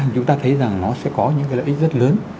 chúng ta thấy rằng nó sẽ có những cái lợi ích rất lớn